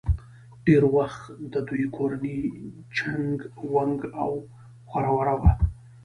ډېر وخت د دوي کورنۍ چنګ ونګ او خوره وره وه